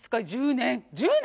１０年！？